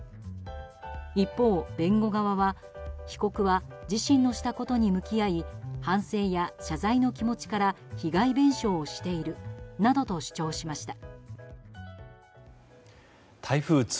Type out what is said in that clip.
一方、弁護側は被告は自身のしたことに向き合い反省や謝罪の気持ちから被害弁償をしているなどと主張しました。